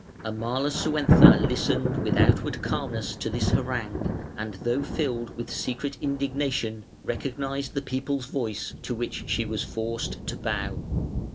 Amalasuentha listened with outward calmness to this harangue, and though filled with secret indignation recognised the people's voice to which she was forced to bow.